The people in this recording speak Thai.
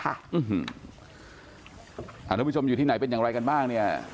ท่านผู้ชมอยู่ที่ไหนเป็นอย่างไรกันบ้างเนี่ย